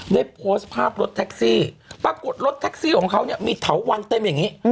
ได้โพสต์ภาพรถแท็กซี่ปรากฏรถแท็กซี่ของเขาเนี่ยมีเถาวันเต็มอย่างนี้